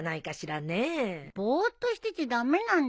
ぼーっとしてちゃ駄目なんだよ。